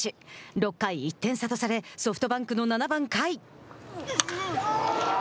６回、１点差とされソフトバンクの７番甲斐。